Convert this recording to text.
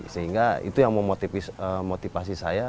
sehingga itu yang memotivasi saya